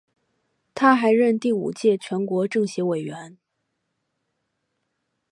他还任第五届全国政协委员。